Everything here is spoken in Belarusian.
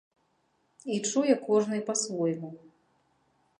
І чуе кожны па-свойму.